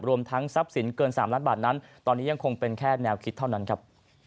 รวมทั้งทรัพย์สินเกิน๓ล้านบาทนั้นตอนนี้ยังคงเป็นแค่แนวคิดเท่านั้นครับ